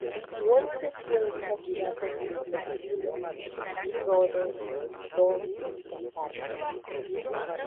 Wolfe fue un candidato junto a Styles, Roode, Storm y Kazarian.